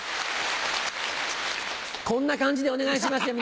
こんな感じでお願いしますよ